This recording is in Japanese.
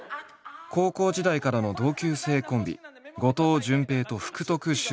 高校時代からの同級生コンビ後藤淳平と福徳秀介。